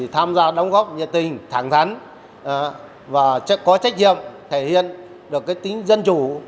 tham gia đóng góp nhiệt tình thẳng thắn và có trách nhiệm thể hiện được tính dân chủ